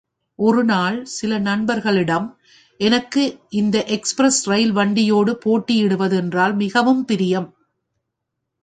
ஒரு நாள் சில நண்பர்களிடம், எனக்கு இந்த எக்ஸ்பிரஸ் ரயில் வண்டியோடு போட்டியிடுவது என்றால் மிகவும் பிரியம்.